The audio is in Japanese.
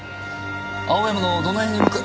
青山のどの辺に向か。